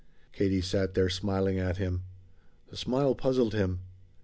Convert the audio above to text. Katie sat there smiling at him. The smile puzzled him.